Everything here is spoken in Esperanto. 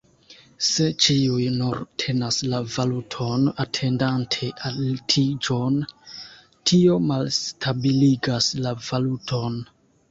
Se ĉiuj nur tenas la valuton, atendante altiĝon, tio malstabiligas la valuton.